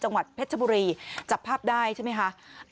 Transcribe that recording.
จังหวัดเพชรชบุรีจับภาพได้ใช่ไหมคะ